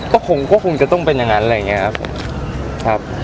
ก็คงจะต้องเป็นยังงั้นอะไรอย่างนี้ครับ